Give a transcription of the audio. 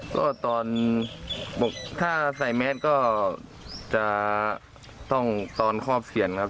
ก็ตอนบอกถ้าใส่แมสก็จะต้องตอนครอบเสียนครับ